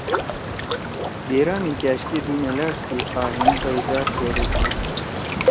دیرہ مھی کأش کے دُو میلأݜ تھی آں ہیِن پیزار دیرے تھی۔